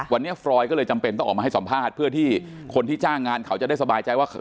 วันนี้ฟรอยก็เลยจำเป็นต้องออกมาให้สัมภาษณ์เพื่อที่คนที่จ้างงานเขาจะได้สบายใจว่า